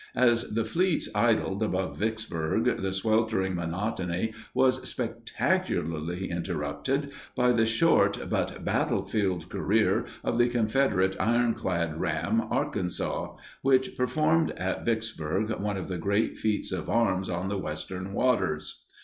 As the fleets idled above Vicksburg, the sweltering monotony was spectacularly interrupted by the short but battle filled career of the Confederate ironclad ram Arkansas, which performed at Vicksburg one of the great feats of arms on the Western waters.